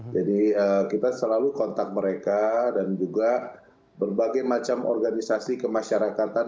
jadi kita selalu kontak mereka dan juga berbagai macam organisasi kemasyarakatan